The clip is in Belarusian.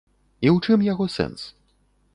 І ў чым яго сэнс?